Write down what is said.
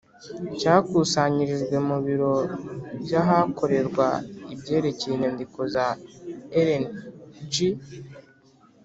cyakusanyirijwe mu biro by’ahakorerwa ibyerekeye inyandiko za Ellen G.